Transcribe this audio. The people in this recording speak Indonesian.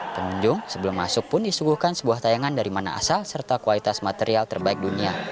pengunjung sebelum masuk pun disuguhkan sebuah tayangan dari mana asal serta kualitas material terbaik dunia